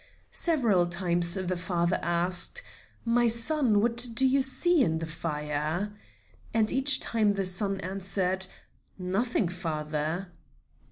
Several times the father asked: "My son, what do you see in the fire?" And each time the son answered: "Nothing, father."